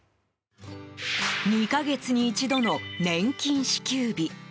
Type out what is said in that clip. ２か月に一度の年金支給日。